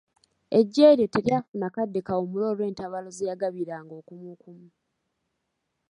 Eggye lye teryafuna kadde kawummula olw’entabaalo ze yagabiranga okumukumu.